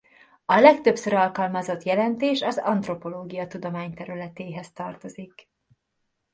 A legtöbbször alkalmazott jelentés az antropológia tudományterületéhez tartozik.